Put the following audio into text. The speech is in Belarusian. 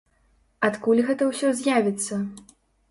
Адкуль гэта ўсё з'явіцца?